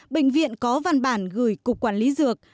bệnh viện có văn bản gửi cục quản lý dược